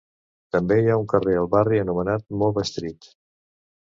També hi ha un carrer al barri anomenat Mova Street.